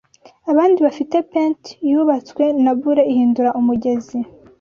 Abandi bafite pent-yubatswe na bure Ihindura umugezi